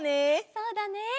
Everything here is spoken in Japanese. そうだね。